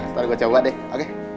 ntar gue coba deh oke